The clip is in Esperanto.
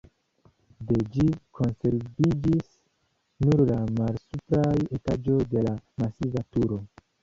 De ĝi konserviĝis nur la malsupraj etaĝoj de la masiva turo.